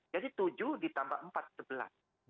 jadi tujuh ditambah empat sebelas